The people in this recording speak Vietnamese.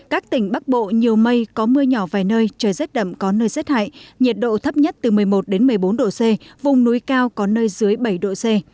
các tỉnh bắc bộ nhiều mây có mưa nhỏ vài nơi trời rét đậm có nơi rét hại nhiệt độ thấp nhất từ một mươi một một mươi bốn độ c vùng núi cao có nơi dưới bảy độ c